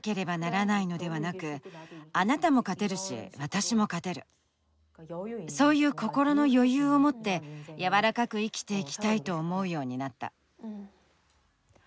ただ引退するとそういう心の余裕を持って柔らかく生きていきたいと思うようになった。